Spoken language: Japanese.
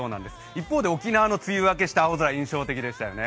一方で沖縄の梅雨明けした青空印象的でしたよね。